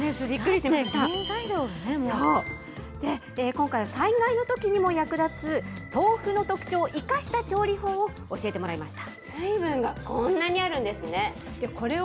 今回は災害のときにも役立つ豆腐の特徴を生かした調理法を教えてもらいました。